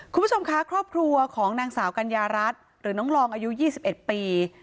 คุณผู้ชมคะครอบครัวของนางสาวกัญญารัฐหรือน้องลองอายุ๒๑ปี